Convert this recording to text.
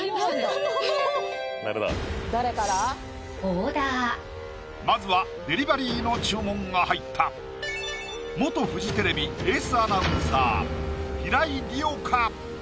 「オーダー」まずはデリバリーの注文が入ったフジテレビエースアナウンサー平井理央か？